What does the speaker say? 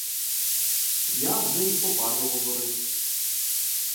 Я вже й попа договорив.